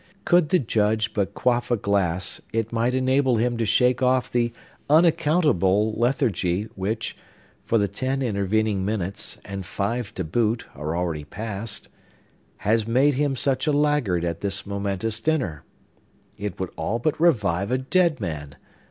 Could the Judge but quaff a glass, it might enable him to shake off the unaccountable lethargy which (for the ten intervening minutes, and five to boot, are already past) has made him such a laggard at this momentous dinner. It would all but revive a dead man!